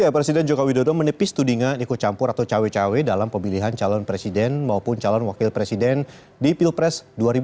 presiden jokowi dodo menepis tudingan ikut campur atau cawe cawe dalam pemilihan calon presiden maupun calon wakil presiden di pilpres dua ribu sembilan belas